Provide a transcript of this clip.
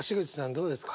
どうですか？